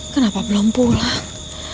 kenapa belum pulang